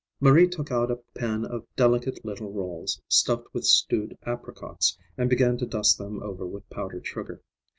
Marie took out a pan of delicate little rolls, stuffed with stewed apricots, and began to dust them over with powdered sugar.